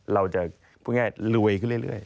เราจะพูดง่ายรวยขึ้นเรื่อย